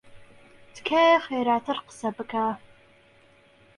تکایە خێراتر قسە بکە.